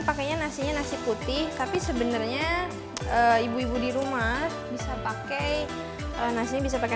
pakainya nasinya nasi putih tapi sebenarnya ibu ibu di rumah bisa pakai nasinya bisa pakai